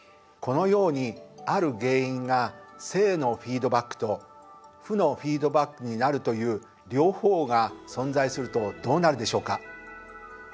このようにある原因が正のフィードバックと負のフィードバックになるという両方が存在するとどうなるでしょうか？